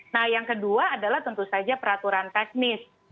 nah yang kedua adalah tentu saja peraturan teknis